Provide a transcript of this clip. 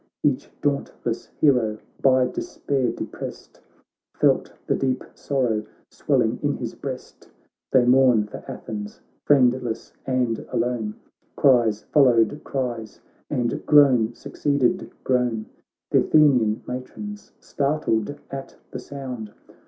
Each dauntless hero, by despair deprest, Felt the deep sorrow swelling in his breast : They mourn for Athens, friendless and alone ; Cries followed cries, and groan succeeded groan. Th' Athenian matrons, startled at the sound.